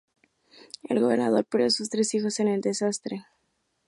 El gobernador perdió a sus tres hijos en el desastre.